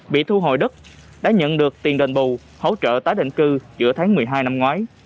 bị thu hồi đất đã nhận được tiền đền bù hỗ trợ tái định cư giữa tháng một mươi hai năm ngoái